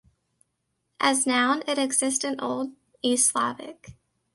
As noun it exists in Old East Slavic.